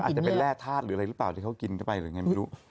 อาจจะเป็นแร่ธาตุหรืออะไรหรือเปล่าที่เขากินเข้าไปหรือไงไม่รู้